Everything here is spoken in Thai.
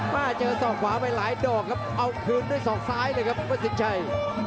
มาเจอศอกขวาไปหลายดอกครับเอาคืนด้วยศอกซ้ายเลยครับวัดสินชัย